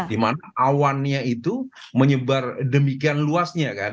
dimana awannya itu menyebar demikian luasnya kan